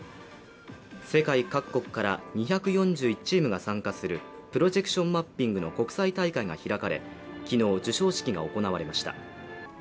世界各国から２４１チームが参加するプロジェクションマッピングの国際大会が開かれ昨日、授賞式が行われました。